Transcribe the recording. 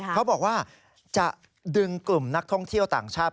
เขาบอกว่าจะดึงกลุ่มนักท่องเที่ยวต่างชาติ